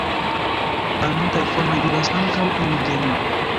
Malmultaj fonoj vivas ankaŭ en Niĝerio.